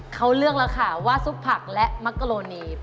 เขาเลือกแล้วค่ะว่าซุปผักและมะกะโลนี